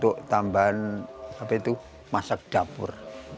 kami memasak di dapur